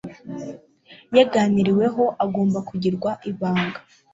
yaganiriweho agomba kugirwa ibanga